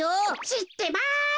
しってます。